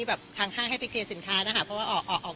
อาหารจนสกปรับ